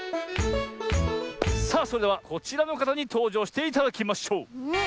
さあそれではこちらのかたにとうじょうしていただきましょう。